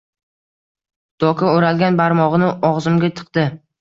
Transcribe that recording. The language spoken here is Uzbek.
Doka o‘ralgan barmog‘ini og‘zimga tiqdi.